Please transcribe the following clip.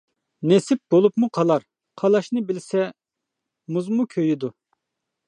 نېسىپ بولۇپمۇ قالار. قالاشنى بىلسە، مۇزمۇ كۆيىدۇ.